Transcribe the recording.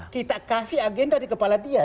kita kasih agenda di kepala dia